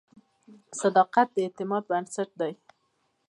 • صداقت د اعتماد بنسټ دی.